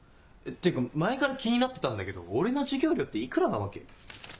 っていうか前から気になってたんだけど俺の授業料って幾らなわけ？